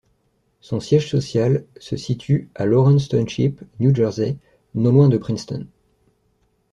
Son siège social se situe à Lawrence Township, New Jersey, non loin de Princeton.